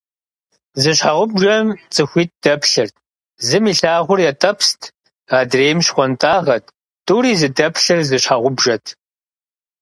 Зы щхьэгъубжэм цӏыхуитӏ дэплъырт. Зым илъагъур ятӏэпст, адрейм щхъуантӏагъэт. Тӏури зыдэплъыр зы щхьэгъубжэт…